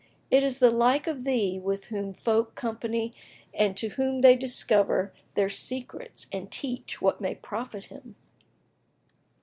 It is the like of thee with whom folk company and to whom they discover their secrets and teach what may profit him!"